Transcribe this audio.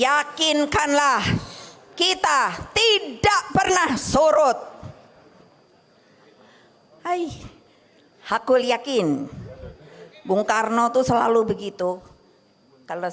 yakinkanlah kita tidak pernah surut hai aku yakin bung karno tuh selalu begitu kalau